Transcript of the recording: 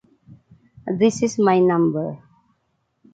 This is my number.